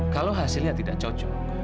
kalau hasilnya tidak cocok